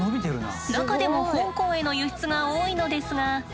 中でも香港への輸出が多いのですが。